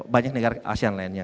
banyak negara asian lainnya